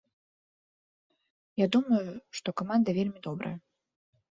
Я думаю, што каманда вельмі добрая.